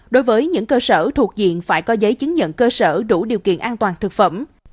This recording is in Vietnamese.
đối với những cơ sở thuộc diện phải có giấy chứng nhận cơ sở đủ điều kiện an toàn thực phẩm